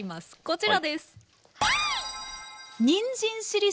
こちらです。